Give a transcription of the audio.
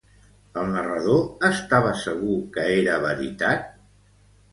El narrador estava segur que era veritat?